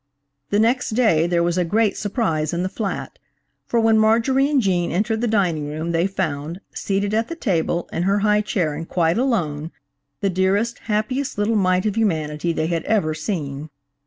The next day there was a great surprise in the flat, for when Marjorie and Gene entered the dining room they found, seated at the table, in her high chair and quite alone, the dearest, happiest little mite of humanity they had ever seen.